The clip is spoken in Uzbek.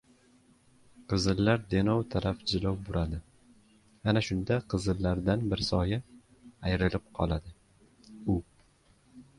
Qizillar Denov taraf jilov buradi, Ana shunda qizillardan bir soya ayrilib qoladi. U